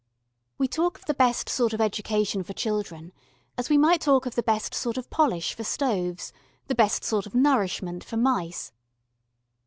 We talk of the best sort of education for children, as we might talk of the best sort of polish for stoves, the best sort of nourishment for mice.